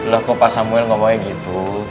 loh kok pak samuel ngomongnya gitu